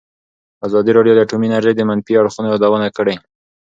ازادي راډیو د اټومي انرژي د منفي اړخونو یادونه کړې.